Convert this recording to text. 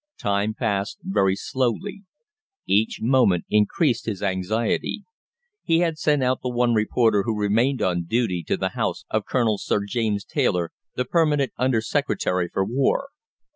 Time passed very slowly. Each moment increased his anxiety. He had sent out the one reporter who remained on duty to the house of Colonel Sir James Taylor, the Permanent Under Secretary for War.